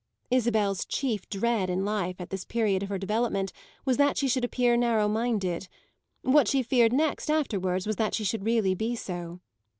Isabel's chief dread in life at this period of her development was that she should appear narrow minded; what she feared next afterwards was that she should really be so.